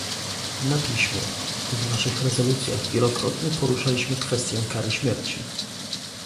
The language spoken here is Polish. na piśmie - W naszych rezolucjach wielokrotnie poruszaliśmy kwestię kary śmierci